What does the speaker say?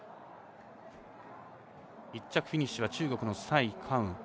１着フィニッシュは中国の蔡佳雲。